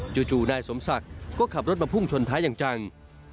จู่นายสมศักดิ์ก็ขับรถมาพุ่งชนท้ายอย่างจัง